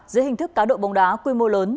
dưới hình thức cá độ bóng đá quy mô lớn